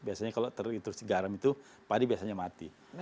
biasanya kalau terlalu intrusi garam itu padi biasanya mati